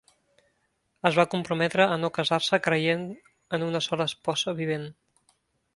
Es va comprometre a no casar-se, creient en una sola esposa vivent.